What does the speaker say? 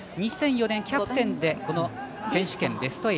２００４年、キャプテンでこの選手権ベスト８。